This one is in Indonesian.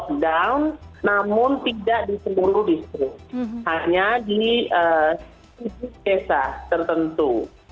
ketiga kira kira di kisah tertentu